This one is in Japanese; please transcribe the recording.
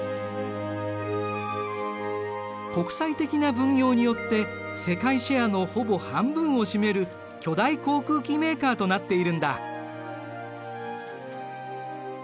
国際的な分業によって世界シェアのほぼ半分を占める巨大航空機メーカーとなっているんだ。